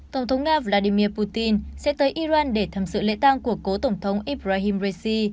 tổng thống nga vladimir putin sẽ tới iran để tham dự lễ tang của cố tổng thống ibrahim raisi